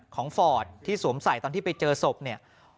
ฟอร์ดที่สวมใส่ตอนที่ไปเจอศพเนี่ย